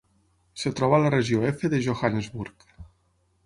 Es troba a la regió F de Johannesburg.